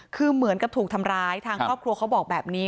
คือเหมือนกับถูกทำร้ายทางครอบครัวเขาบอกแบบนี้